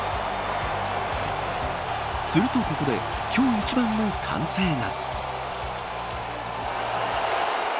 するとここで今日一番の歓声が。